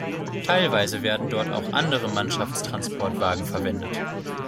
Teilweise werden dort auch andere Mannschaftstransportwagen verwendet.